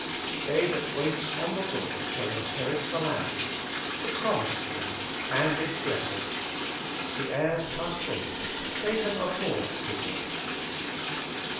They that wait ^e Lord shall inherit the land; the pro WAITING ON GOBI 6x * mised land and its blessing. The heirs must wait ; they can afford to wait.